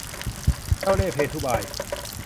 เจ้าเล่ห์เพทุบาย